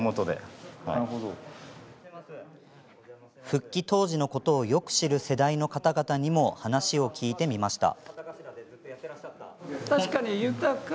復帰当時のことをよく知る世代の方々にも話を聞いてみました。